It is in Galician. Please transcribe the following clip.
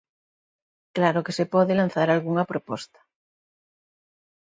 Claro que se pode lanzar algunha proposta.